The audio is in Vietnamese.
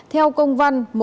theo công văn